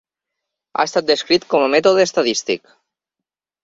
Ha estat descrit com a "mètode estadístic".